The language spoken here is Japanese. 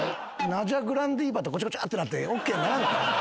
ナジャ・グランディーバとゴチャゴチャってなってＯＫならんか。